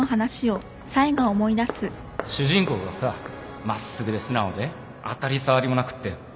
主人公がさ真っすぐで素直で当たり障りもなくって